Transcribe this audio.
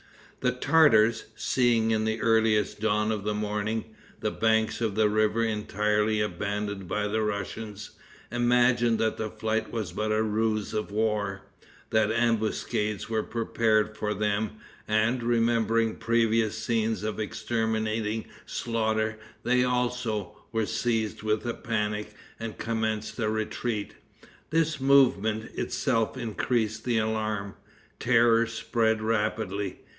The Tartars, seeing, in the earliest dawn of the morning, the banks of the river entirely abandoned by the Russians, imagined that the flight was but a ruse of war, that ambuscades were prepared for them, and, remembering previous scenes of exterminating slaughter, they, also, were seized with a panic, and commenced a retreat. This movement itself increased the alarm. Terror spread rapidly.